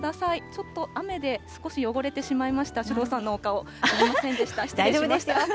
ちょっと雨で少し汚れてしまいました、首藤さんのお顔、すみませんでした、失礼しました。